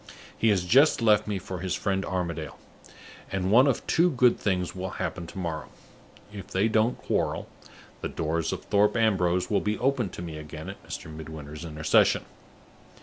He has just left me for his friend Armadale; and one of two good things will happen to morrow. If they don't quarrel, the doors of Thorpe Ambrose will be opened to me again at Mr. Midwinter's intercession.